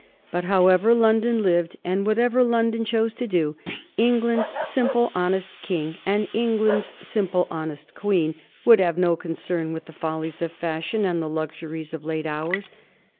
But, however, London lived, and whatever London chose to do, England's simple honest King and England's simple honest Queen would have no concern with the follies of fashion and the luxuries of late hours.